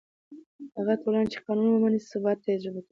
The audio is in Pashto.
هغه ټولنه چې قانون ومني، ثبات تجربه کوي.